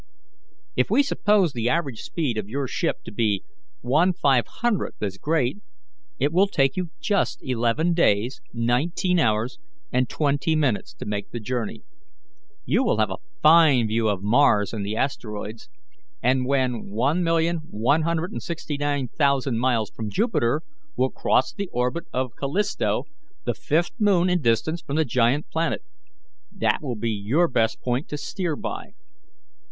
If we suppose the average speed of your ship to be one five hundredth as great, it will take you just eleven days, nineteen hours and twenty minutes to make the journey. You will have a fine view of Mars and the asteroids, and when 1,169,000 miles from Jupiter, will cross the orbit of Callisto, the fifth moon in distance from the giant planet. That will be your best point to steer by."